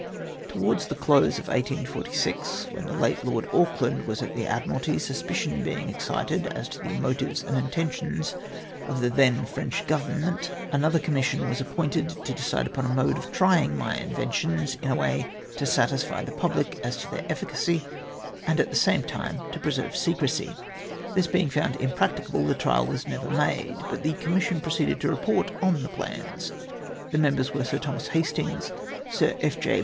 Towards the close of 1846, when the late Lord Auckland was at the Admiralty, suspicion being ex cited as to the motives and intentions of the then French government, another commission was appointed, to decide upon a mode of trying my inventions in a way to satisfy the public as to their efficacy, and at the same time to preserve secresy. This being found im practicable, the trial was never made, but the com mission proceeded to report on the plans. The mem bers were Sn Thomas Hastings, Sir J. F.